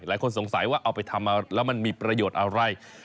หลายคนสงสัยว่าเอาไปทำมาแล้วมันมีประโยชน์อะไร